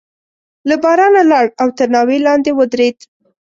له بارانه لاړ او تر ناوې لاندې ودرېد.